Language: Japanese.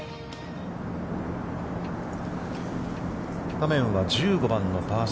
画面は１５番のパー３。